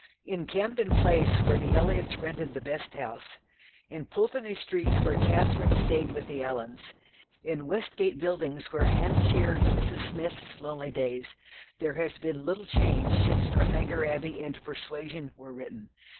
In Camden Place where the Elliots rented "the best house," in Pulteney Street where Catherine stayed with the Allens, in Westgate Buildings where Anne cheered Mrs. Smith's lonely days, there has been little change since Northanger Abbey and Persuasion were written.